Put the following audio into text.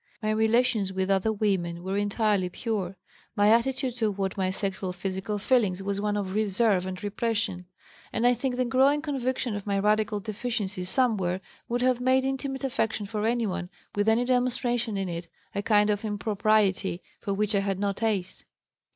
"My relations with other women were entirely pure. My attitude toward my sexual physical feelings was one of reserve and repression, and I think the growing conviction of my radical deficiency somewhere, would have made intimate affection for anyone, with any demonstration in it, a kind of impropriety for which I had no taste.